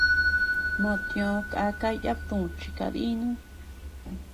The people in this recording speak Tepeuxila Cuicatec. Mo tiö kaka yàba dü chi kadínu.